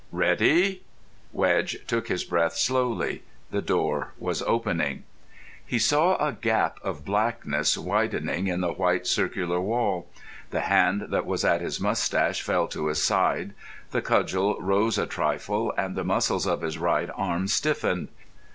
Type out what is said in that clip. "Ready?" Wedge took his breath slowly. The door was opening. He saw a gap of blackness widening in the white circular wall. The hand that was at his moustache fell to his side. The cudgel rose a trifle, and the muscles of his right arm stiffened.